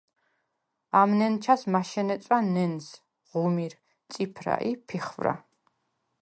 ამ ნენჩას მაშენე წვა ნენზ, ღუმირ, წიფრა ი ფიხვრა.